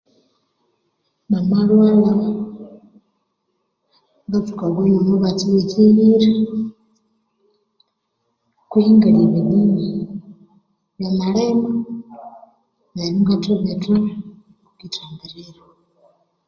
Namalhwalha ngatsuka erinywa omubatsi wekyiyira kwihi ingalya ebinini byamalema neru ingathibitha okwithambiriro